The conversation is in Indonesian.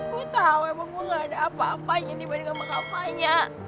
gue tau emang gue gak ada apa apanya dibanding sama kapalnya